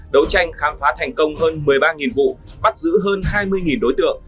đấu tranh khám phá thành công hơn một mươi ba vụ bắt giữ hơn hai mươi đối tượng